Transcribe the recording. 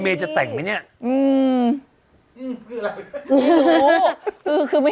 เมชิบลุ้มครั้งกว่า